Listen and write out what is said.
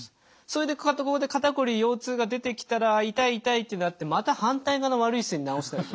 それで肩こり腰痛が出てきたら痛い痛いってなってまた反対側の悪い姿勢に直したり。